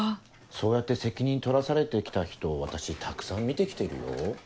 そうやって責任取らされて来た人私たくさん見て来てるよ。